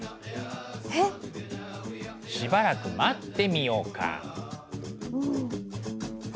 えっ？しばらく待ってみようか。